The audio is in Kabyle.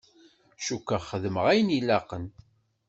Cukkeɣ xedmeɣ ayen ilaqen.